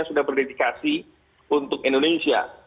sudah berdedikasi untuk indonesia